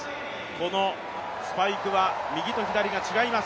このスパイクは右と左が違います。